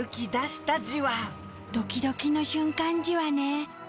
ドキドキの瞬間じわね。